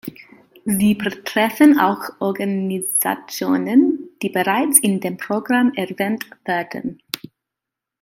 Sie betreffen auch Organisationen, die bereits in dem Programm erwähnt werden.